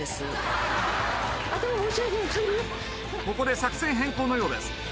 ここで作戦変更のようです。